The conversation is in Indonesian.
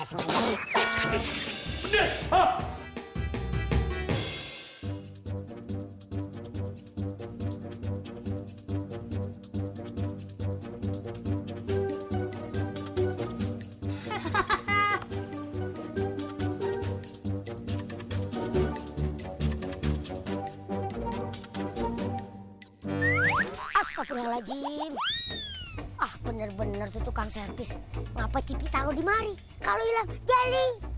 astagfirullahaladzim ah bener bener itukan servis engak supi kalau dimari kalau ilang wtedy